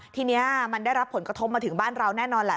ทีนี้มันได้รับผลกระทบมาถึงบ้านเราแน่นอนแหละ